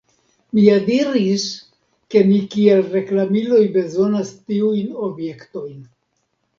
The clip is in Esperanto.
Mi ja diris, ke ni kiel reklamiloj bezonas tiujn objektojn.